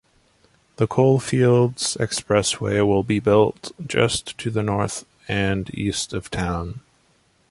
The Coalfields Expressway will be built just to the north and east of town.